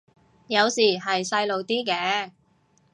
有時係細路啲嘅